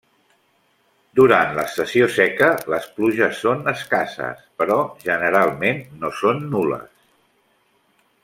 Durant l'estació seca les pluges són escasses però generalment no són nul·les.